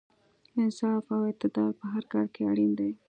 انصاف او اعتدال په هر کار کې اړین دی.